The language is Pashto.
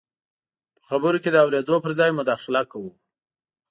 په خبرو کې د اورېدو پر ځای مداخله کوو.